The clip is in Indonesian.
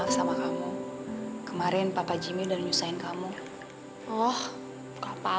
sampai jumpa di video selanjutnya